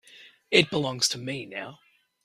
It belongs to me now.